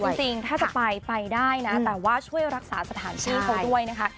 จริงถ้าจะไปไปได้นะแต่ว่าช่วยรักษาสถานที่เขาด้วยนะคะ